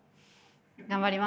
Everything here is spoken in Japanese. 頑張ります。